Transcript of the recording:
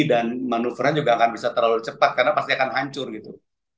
dan manuvernya juga nggak akan bisa terlalu cepat karena pasti akan hancur gitu